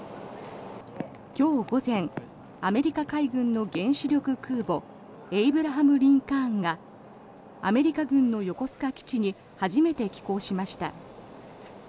今日午前アメリカ海軍の原子力空母「エイブラハム・リンカーン」がアメリカ軍の横須賀基地に初めて寄港しました。